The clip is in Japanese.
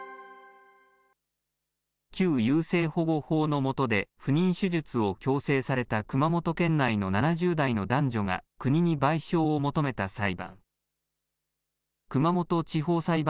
旧優生保護法の下で不妊手術を強制された熊本県内の７０代の男女が国に賠償を求めた裁判。